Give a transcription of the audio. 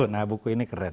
nah buku ini keren